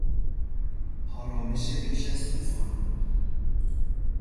آرامش پیش از توفان